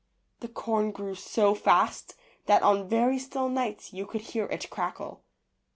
The corn grew so fast that on very still nights you could hear it crackle.